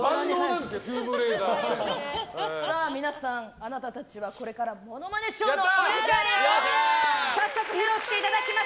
皆さん、あなたたちはこれからモノマネショーのお時間よ。